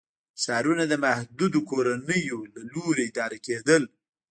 ښارونه د محدودو کورنیو له لوري اداره کېدل.